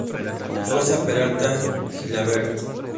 Rosa Peralta Gilabert.